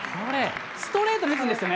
ストレートで打つんですよね。